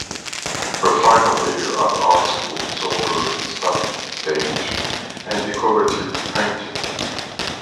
Her final year at the art school saw her study stage and decorative painting.